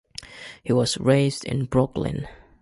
He was raised in Brooklyn.